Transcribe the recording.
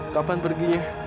kapan pergi ya